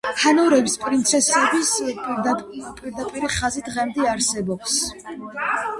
ჰანოვერების პრინცების პირდაპირი ხაზი დღემდე არსებობს.